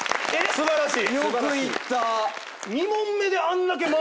素晴らしい。